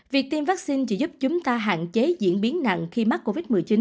việc tiêm vaccine chỉ giúp chúng ta hạn chế diễn biến nặng khi mắc covid một mươi chín